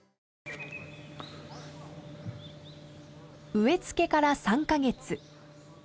植え付けから３カ月。